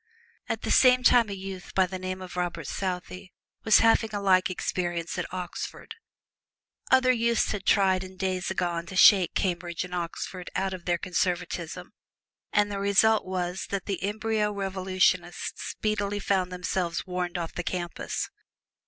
At the same time a youth by the name of Robert Southey was having a like experience at Oxford. Other youths had tried in days agone to shake Cambridge and Oxford out of their conservatism, and the result was that the embryo revolutionists speedily found themselves warned off the campus.